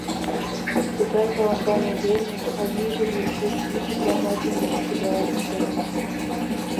Тыгай талантан айдеме, а вийжым йӧршеш йот ӱдырамаш дене кучедалаш пытара.